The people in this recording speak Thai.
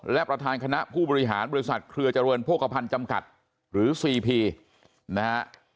และประธานคณะผู้บริหารบริษัทเครือเจริญโภคภัณฑ์จำกัดหรือซีพีนะฮะ